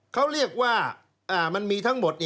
เขาเรียกว่ามันมีทั้งหมด